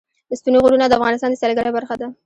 ستوني غرونه د افغانستان د سیلګرۍ برخه ده.